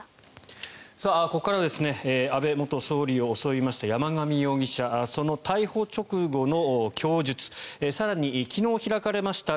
ここからは安倍元総理を襲いました山上容疑者その逮捕直後の供述更に、昨日開かれました